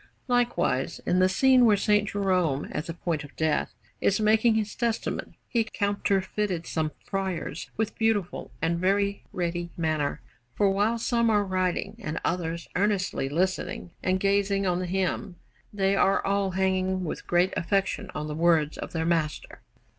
Likewise, in the scene where S. Jerome, at the point of death, is making his testament, he counterfeited some friars with beautiful and very ready manner; for while some are writing and others earnestly listening and gazing on him, they are all hanging with great affection on the words of their master.